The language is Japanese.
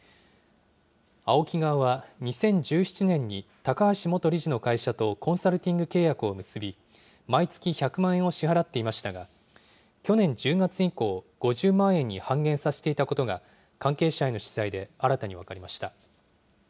ＡＯＫＩ側は２０１７年に高橋元理事の会社とコンサルティング契約を結び、毎月１００万円を支払っていましたが、去年１０月以降、５０万円に半減させていたことが関係者への取材で新たに分かりました。